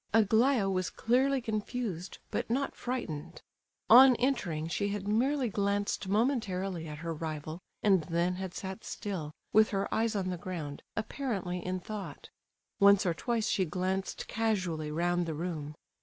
Aglaya was clearly confused, but not frightened. On entering she had merely glanced momentarily at her rival, and then had sat still, with her eyes on the ground, apparently in thought. Once or twice she glanced casually round the room.